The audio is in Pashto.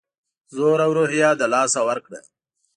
زور او روحیه له لاسه ورکړه.